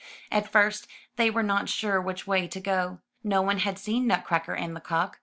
At first they were not sure which way to go. No one had seen Nutcracker and the cock.